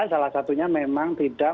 salah satunya memang tidak